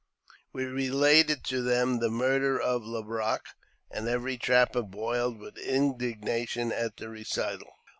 We related to them the murder of Le Brache, and every trapper boiled with indignation at the recital.